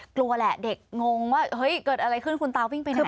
กลัวแหละเด็กงงว่าเฮ้ยเกิดอะไรขึ้นคุณตาวิ่งไปไหน